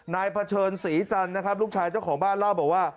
เผชิญศรีจันทร์นะครับลูกชายเจ้าของบ้านเล่าบอกว่า